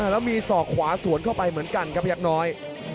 แล้วมีศอกขวาสวนเข้าไปเหมือนกันครับพยักษ์น้อย